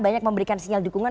banyak memberikan sinyal dukungan